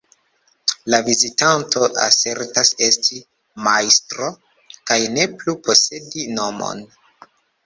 La vizitanto asertas esti "Majstro" kaj ne plu posedi nomon.